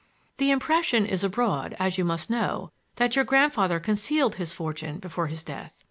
"The impression is abroad, as you must know, that your grandfather concealed his fortune before his death.